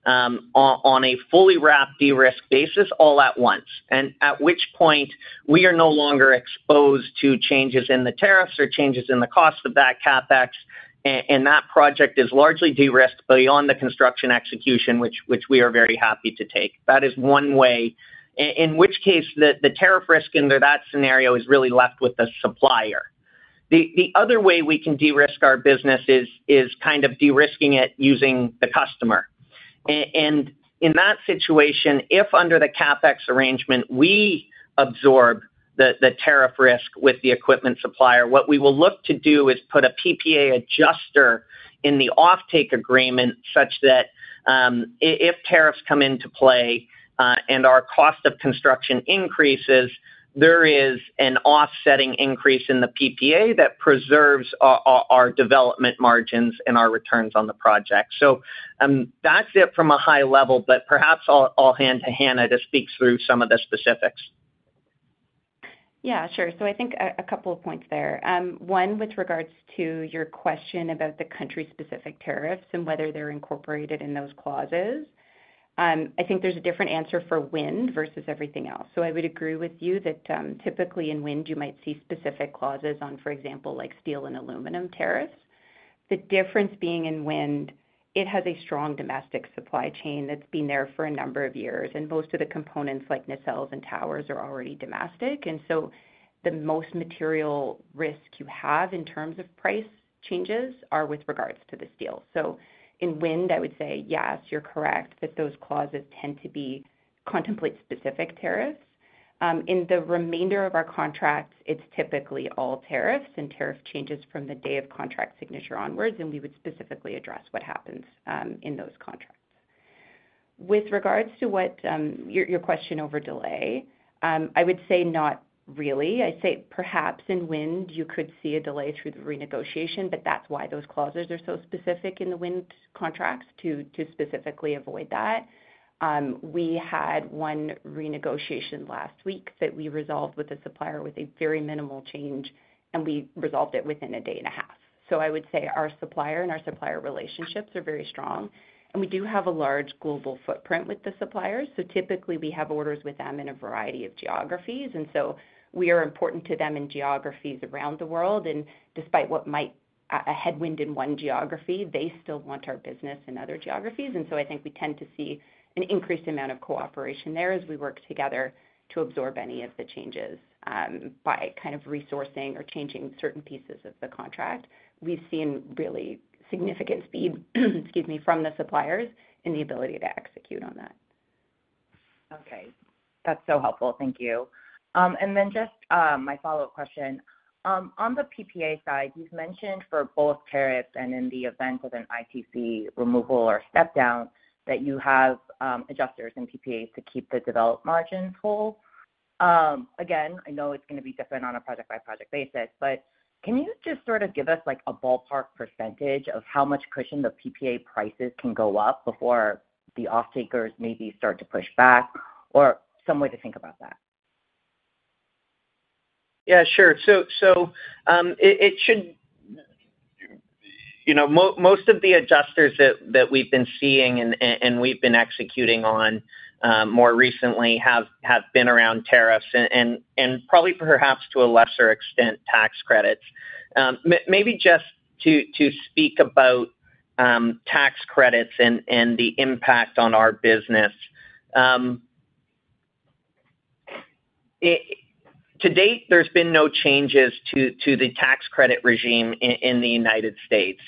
on a fully wrapped de-risk basis all at once, at which point we are no longer exposed to changes in the tariffs or changes in the cost of that CapEx. That project is largely de-risked beyond the construction execution, which we are very happy to take. That is one way, in which case the tariff risk under that scenario is really left with the supplier. The other way we can de-risk our business is kind of de-risking it using the customer. In that situation, if under the CapEx arrangement, we absorb the tariff risk with the equipment supplier, what we will look to do is put a PPA adjuster in the offtake agreement such that if tariffs come into play and our cost of construction increases, there is an offsetting increase in the PPA that preserves our development margins and our returns on the project. That is it from a high level. Perhaps I will hand to Hannah to speak through some of the specifics. Yeah, sure. I think a couple of points there. One, with regards to your question about the country-specific tariffs and whether they're incorporated in those clauses, I think there's a different answer for wind versus everything else. I would agree with you that typically in wind, you might see specific clauses on, for example, steel and aluminum tariffs. The difference being in wind, it has a strong domestic supply chain that's been there for a number of years. Most of the components like nacelles and towers are already domestic. The most material risk you have in terms of price changes are with regards to the steel. In wind, I would say, yes, you're correct that those clauses tend to contemplate specific tariffs. In the remainder of our contracts, it's typically all tariffs and tariff changes from the day of contract signature onwards. We would specifically address what happens in those contracts. With regards to your question over delay, I would say not really. I say perhaps in wind, you could see a delay through the renegotiation, but that is why those clauses are so specific in the wind contracts to specifically avoid that. We had one renegotiation last week that we resolved with a supplier with a very minimal change, and we resolved it within a day and a half. I would say our supplier and our supplier relationships are very strong. We do have a large global footprint with the suppliers. Typically, we have orders with them in a variety of geographies. We are important to them in geographies around the world. Despite what might be a headwind in one geography, they still want our business in other geographies. I think we tend to see an increased amount of cooperation there as we work together to absorb any of the changes by kind of resourcing or changing certain pieces of the contract. We've seen really significant speed, excuse me, from the suppliers in the ability to execute on that. Okay. That's so helpful. Thank you. Just my follow-up question. On the PPA side, you've mentioned for both tariffs and in the event of an ITC removal or step-down that you have adjusters and PPAs to keep the developed margins whole. Again, I know it's going to be different on a project-by-project basis, but can you just sort of give us a ballpark percentage of how much cushion the PPA prices can go up before the offtakers maybe start to push back or some way to think about that? Yeah, sure. Most of the adjusters that we've been seeing and we've been executing on more recently have been around tariffs and probably perhaps to a lesser extent tax credits. Maybe just to speak about tax credits and the impact on our business. To date, there's been no changes to the tax credit regime in the United States.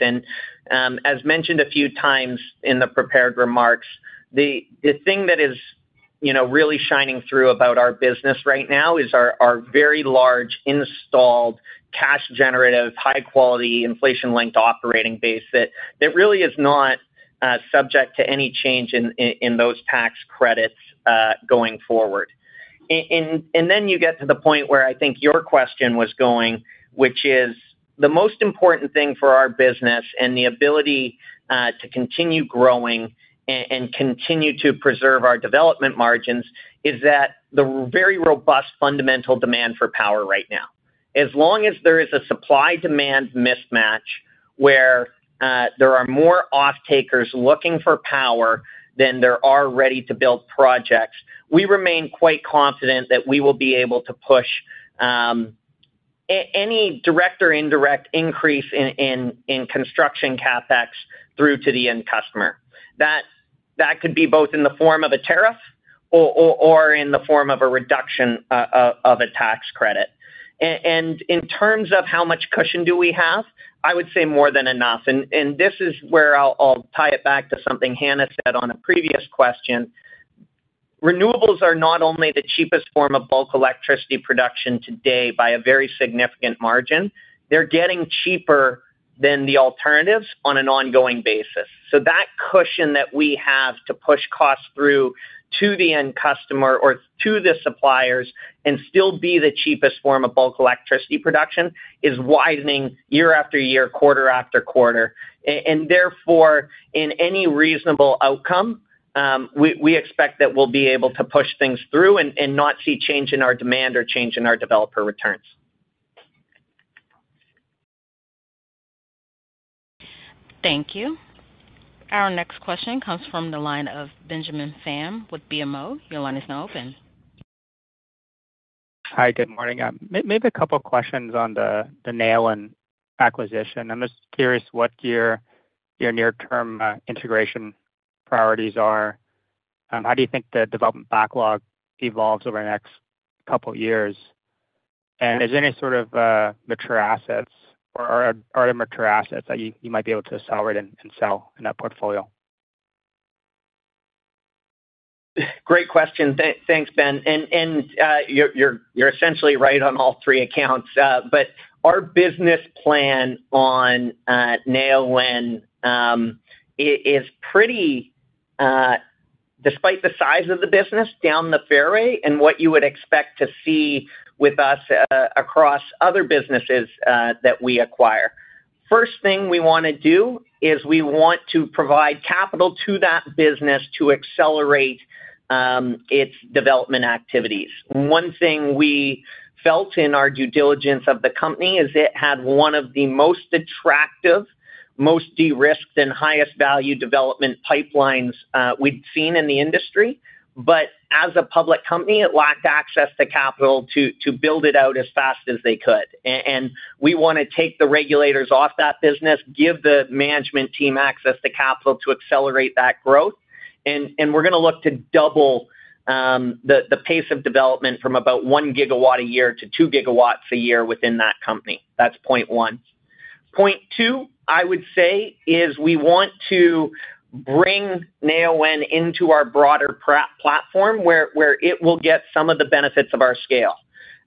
As mentioned a few times in the prepared remarks, the thing that is really shining through about our business right now is our very large installed cash-generative, high-quality inflation-linked operating base that really is not subject to any change in those tax credits going forward. You get to the point where I think your question was going, which is the most important thing for our business and the ability to continue growing and continue to preserve our development margins is that the very robust fundamental demand for power right now. As long as there is a supply-demand mismatch where there are more offtakers looking for power than there are ready-to-build projects, we remain quite confident that we will be able to push any direct or indirect increase in construction CapEx through to the end customer. That could be both in the form of a tariff or in the form of a reduction of a tax credit. In terms of how much cushion do we have, I would say more than enough. This is where I'll tie it back to something Hannah said on a previous question. Renewables are not only the cheapest form of bulk electricity production today by a very significant margin. They're getting cheaper than the alternatives on an ongoing basis. That cushion that we have to push costs through to the end customer or to the suppliers and still be the cheapest form of bulk electricity production is widening year after year, quarter after quarter. Therefore, in any reasonable outcome, we expect that we'll be able to push things through and not see change in our demand or change in our developer returns. Thank you. Our next question comes from the line of Benjamin Pham with BMO. Your line is now open. Hi, good morning. Maybe a couple of questions on the Neoen acquisition. I'm just curious what your near-term integration priorities are. How do you think the development backlog evolves over the next couple of years? Is there any sort of mature assets or other mature assets that you might be able to accelerate and sell in that portfolio? Great question. Thanks, Ben. You're essentially right on all three accounts. Our business plan on Neoen and wind is pretty, despite the size of the business, down the fairway and what you would expect to see with us across other businesses that we acquire. The first thing we want to do is provide capital to that business to accelerate its development activities. One thing we felt in our due diligence of the company is it had one of the most attractive, most de-risked, and highest value development pipelines we'd seen in the industry. As a public company, it lacked access to capital to build it out as fast as they could. We want to take the regulators off that business, give the management team access to capital to accelerate that growth. We are going to look to double the pace of development from about one GW a year to two GW a year within that company. That is point one. Point two, I would say, is we want to bring Neoen wind into our broader platform where it will get some of the benefits of our scale.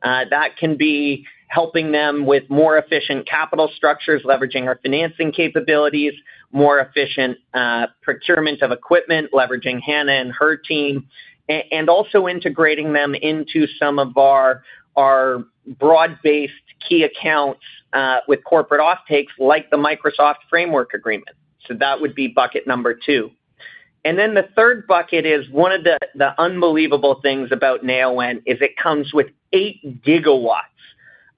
That can be helping them with more efficient capital structures, leveraging our financing capabilities, more efficient procurement of equipment, leveraging Hannah and her team, and also integrating them into some of our broad-based key accounts with corporate offtakes like the Microsoft Framework Agreement. That would be bucket number two. The third bucket is one of the unbelievable things about Neoen wind is it comes with 8 GW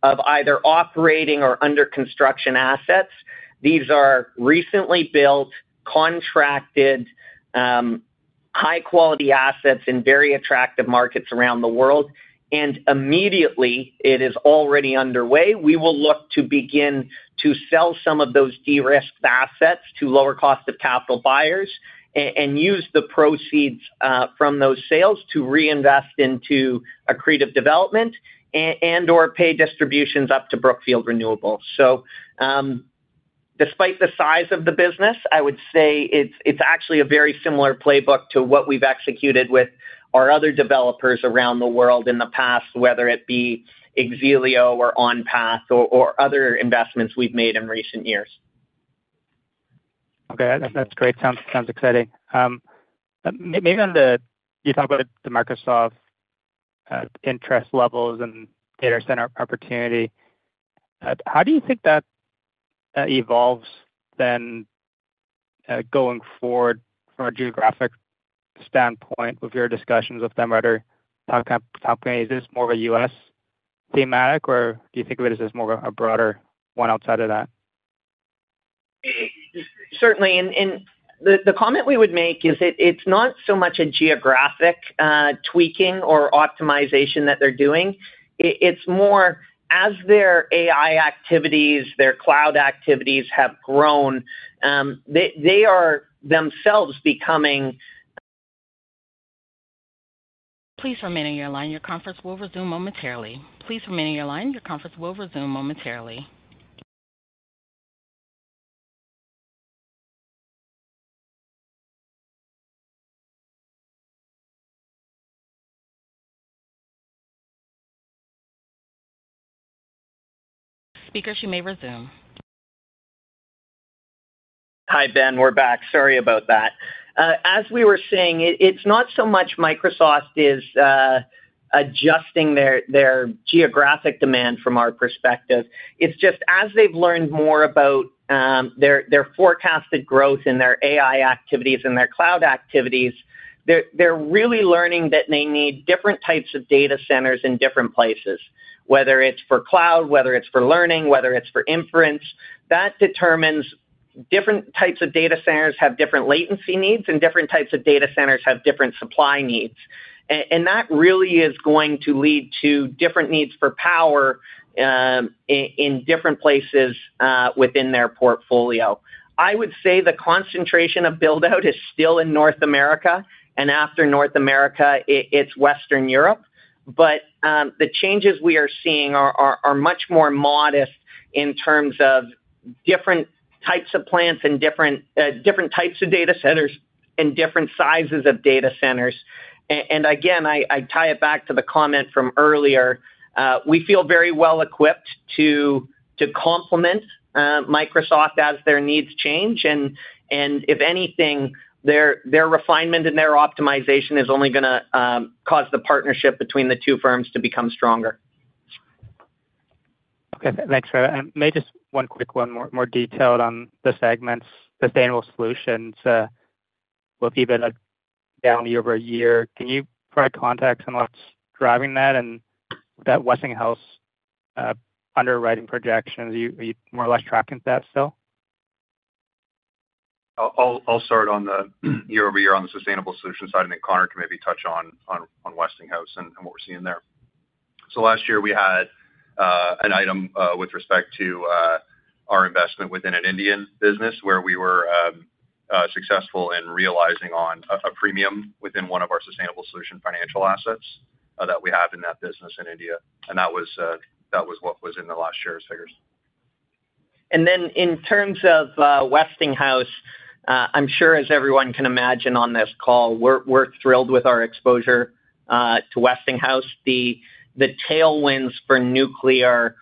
of either operating or under construction assets. These are recently built, contracted, high-quality assets in very attractive markets around the world. It is already underway. We will look to begin to sell some of those de-risked assets to lower-cost-of-capital buyers and use the proceeds from those sales to reinvest into accretive development and/or pay distributions up to Brookfield Renewable. Despite the size of the business, I would say it's actually a very similar playbook to what we've executed with our other developers around the world in the past, whether it be Axelio or OnPath or other investments we've made in recent years. Okay. That's great. Sounds exciting. Maybe on the you talk about the Microsoft interest levels and data center opportunity. How do you think that evolves then going forward from a geographic standpoint with your discussions with them or other top companies? Is this more of a US thematic, or do you think of it as more of a broader one outside of that? Certainly. The comment we would make is it's not so much a geographic tweaking or optimization that they're doing. It's more as their AI activities, their cloud activities have grown, they are themselves becoming. Please remain on your line. Your conference will resume momentarily. Please remain on your line. Your conference will resume momentarily. Speaker, you may resume. Hi, Ben. We're back. Sorry about that. As we were saying, it's not so much Microsoft is adjusting their geographic demand from our perspective. It's just as they've learned more about their forecasted growth in their AI activities and their cloud activities, they're really learning that they need different types of data centers in different places, whether it's for cloud, whether it's for learning, whether it's for inference. That determines different types of data centers have different latency needs, and different types of data centers have different supply needs. That really is going to lead to different needs for power in different places within their portfolio. I would say the concentration of buildout is still in North America. After North America, it's Western Europe. The changes we are seeing are much more modest in terms of different types of plants and different types of data centers and different sizes of data centers. Again, I tie it back to the comment from earlier. We feel very well equipped to complement Microsoft as their needs change. If anything, their refinement and their optimization is only going to cause the partnership between the two firms to become stronger. Okay. Thanks, Ben. Maybe just one quick one, more detailed on the segments, sustainable solutions. We'll keep it down the over a year. Can you provide context on what's driving that and that Westinghouse underwriting projections? Are you more or less tracking that still? I'll start on the year-over-year on the sustainable solution side, and then Connor can maybe touch on Westinghouse and what we're seeing there. Last year, we had an item with respect to our investment within an Indian business where we were successful in realizing on a premium within one of our sustainable solution financial assets that we have in that business in India. That was what was in last year's figures. In terms of Westinghouse, I'm sure as everyone can imagine on this call, we're thrilled with our exposure to Westinghouse. The tailwinds for nuclear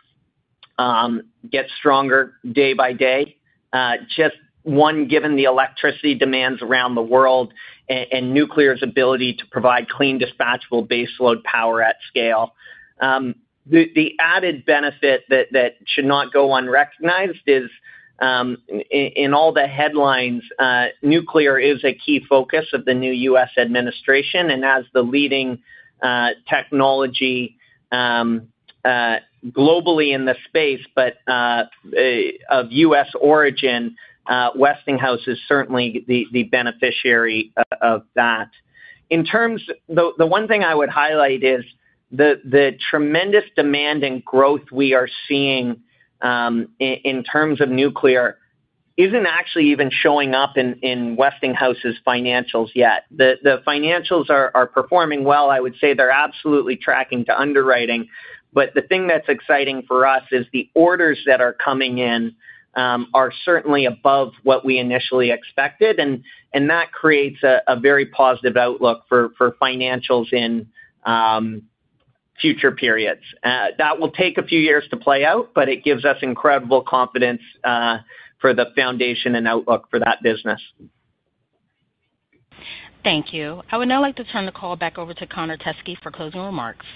get stronger day by day. Just one, given the electricity demands around the world and nuclear's ability to provide clean dispatchable baseload power at scale. The added benefit that should not go unrecognized is in all the headlines, nuclear is a key focus of the new US administration. As the leading technology globally in the space, but of US origin, Westinghouse is certainly the beneficiary of that. The one thing I would highlight is the tremendous demand and growth we are seeing in terms of nuclear isn't actually even showing up in Westinghouse's financials yet. The financials are performing well. I would say they're absolutely tracking to underwriting. The thing that's exciting for us is the orders that are coming in are certainly above what we initially expected. That creates a very positive outlook for financials in future periods. That will take a few years to play out, but it gives us incredible confidence for the foundation and outlook for that business. Thank you. I would now like to turn the call back over to Connor Teskey for closing remarks.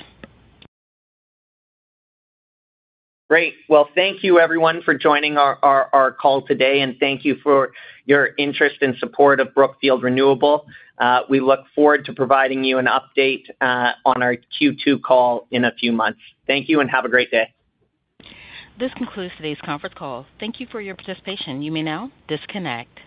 Great. Thank you, everyone, for joining our call today. Thank you for your interest and support of Brookfield Renewable. We look forward to providing you an update on our Q2 call in a few months. Thank you and have a great day. This concludes today's conference call. Thank you for your participation. You may now disconnect.